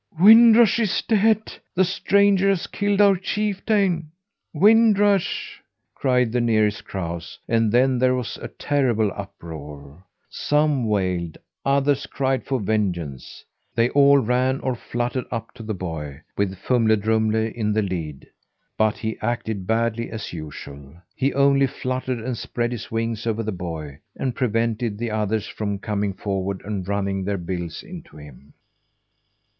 "Wind Rush is dead! The stranger has killed our chieftain, Wind Rush!" cried the nearest crows, and then there was a terrible uproar. Some wailed, others cried for vengeance. They all ran or fluttered up to the boy, with Fumle Drumle in the lead. But he acted badly as usual. He only fluttered and spread his wings over the boy, and prevented the others from coming forward and running their bills into him.